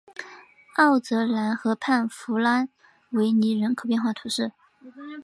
奥泽兰河畔弗拉维尼人口变化图示